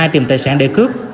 tìm tài sản để cướp